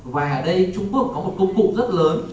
và ở đây trung quốc có một công cụ rất lớn